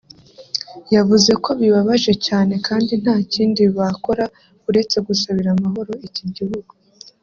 yavuze ko bibabaje cyane kandi nta kindi bakora uretse gusabira amahoro iki gihugu